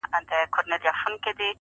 د قاف د شاپيرو اچيل دې غاړه کي زنگيږي_